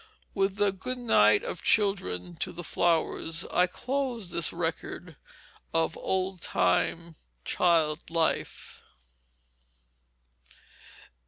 With the good night of children to the flowers, I close this record of old time child life.